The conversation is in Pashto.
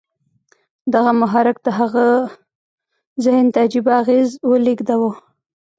دغه محرک د هغه ذهن ته عجيبه اغېز ولېږداوه.